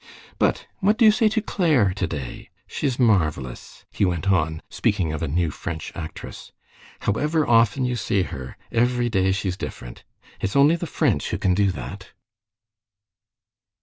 "But what do you say to Claire today? She's marvelous," he went on, speaking of a new French actress. "However often you see her, every day she's different. It's only the French who can do that."